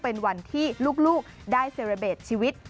เป็นวันที่ลูกได้เซราเบสชีวิต